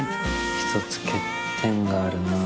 「一つ欠点があるな」